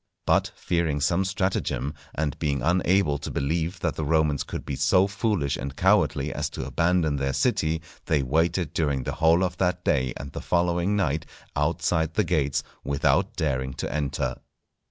But fearing some stratagem, and being unable to believe that the Romans could be so foolish and cowardly as to abandon their city, they waited during the whole of that day and the following night outside the gates, without daring to enter.